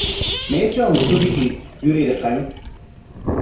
¿Maytrawmi turiyki yurirqan?